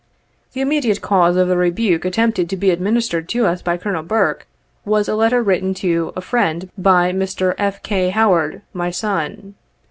The immediate cause of the rebuke attempted to be administered to us by Colonel Burke, was a letter written to a friend by Mr. F. K. Howard, my son.